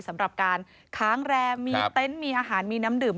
สำหรับการค้างแรมมีเต็นต์มีอาหารมีน้ำดื่ม